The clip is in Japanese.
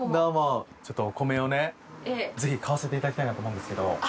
ちょっとお米をぜひ買わせていただきたいなと思うんですけど。